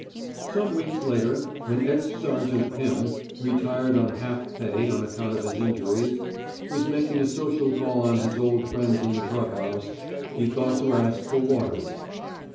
Some weeks later, when ex Sergeant Pirn (retired on half pay on account of his in juries) was making a social call on his old friends in the truck house, he thought to ask for Waters.